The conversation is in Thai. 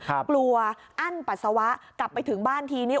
กลัวอั้นปัสสาวะกลับไปถึงบ้านทีนี้